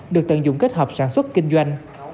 được tận dụng kết hợp sản xuất kinh doanh